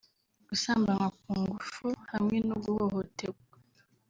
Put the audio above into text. gusambanywa ku nguvu hamwe no guhohotegwa